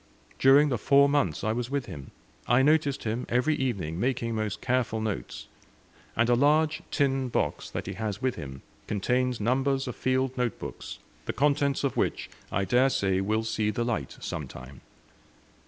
During the four months I was with him, I noticed him every evening making most careful notes; and a large tin box that he has with him contains numbers of field note books, the contents of which I dare say will see the light some time.